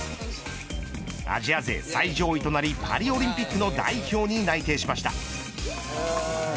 アジア勢最上位となりパリオリンピックの代表に内定しました。